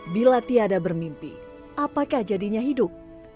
bila tiada bermimpi apakah jadinya hidup